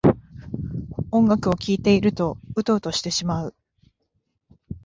音楽を聴いているとウトウトしてしまう